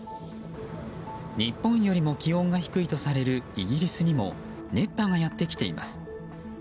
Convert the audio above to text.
日本よりも気温が低いとされるイギリスにも熱波がやってきています。